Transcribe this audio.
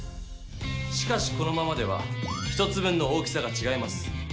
しかしこのままでは１つ分の大きさがちがいます。